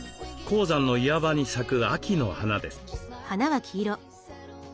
高山の岩場に咲く秋の花です。